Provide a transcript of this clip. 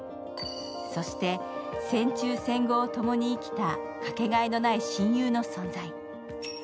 そして、戦中・戦後を共に生きたかけがえのない親友の存在。